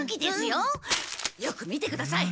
よく見てください！